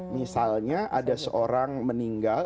misalnya ada seorang meninggal